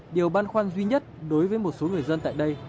điều băn khoăn duy nhất đối với một số người dân tại đây